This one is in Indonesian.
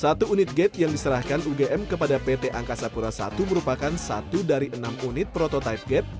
satu unit gate yang diserahkan ugm kepada pt angkasa pura i merupakan satu dari enam unit prototipe gate